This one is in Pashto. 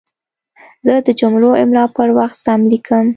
زه د جملو املا پر وخت سم لیکم.